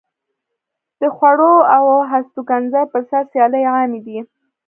د خوړو او هستوګنځي پر سر سیالۍ عامې دي.